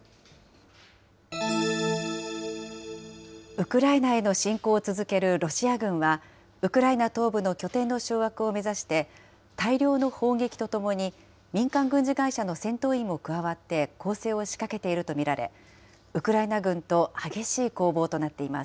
ウクライナへの侵攻を続けるロシア軍は、ウクライナ東部の拠点の掌握を目指して、大量の砲撃とともに、民間軍事会社の戦闘員も加わって、攻勢を仕掛けていると見られ、ウクライナ軍と激しい攻防となっています。